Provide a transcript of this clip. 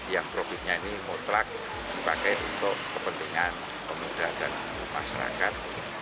yang profitnya ini mutlak dipakai untuk kepentingan pemuda dan masyarakat